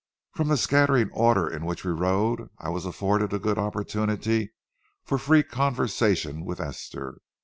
From the scattering order in which we rode, I was afforded a good opportunity for free conversation with Esther.